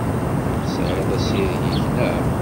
Tesɛiḍ assireg-ik, naɣ?